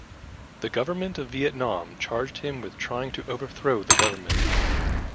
The government of Vietnam charged him with trying to overthrow the government.